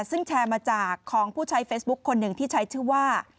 ซึ่งแชร์มาจากของผู้ใช้เฟซบุ๊คคนหนึ่งที่ใช้ชื่อว่า